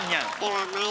はい。